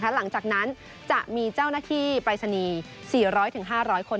หลังจากนั้นจะมีเจ้าหน้าที่ปรายศนีย์๔๐๐๕๐๐คน